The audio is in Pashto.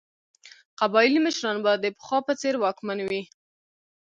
قبایلي مشران به د پخوا په څېر واکمن وي.